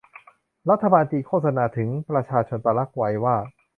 รัฐบาลจีนโฆษณาถึงประชาชนปารากวัยว่า